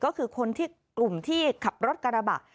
ก็คือคนที่กลุ่มที่ขับรถกระบะ